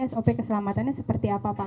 sop keselamatannya seperti apa pak